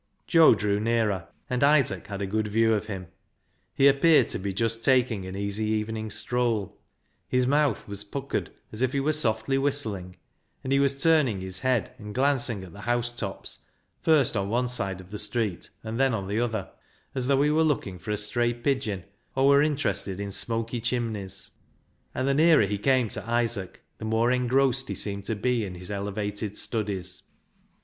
Joe drew nearer, and Isaac had a good view of him. He appeared to be just taking an easy evening stroll. His mouth was puckered as if he were softly whistling, and he was turning his head and glancing at the housetops, first on one side of the street, and then on the other, as though he were looking for a stray pigeon, or were interested in smoky chimneys. And the nearer he came to Isaac the more engrossed he seemed to be in his elevated studies.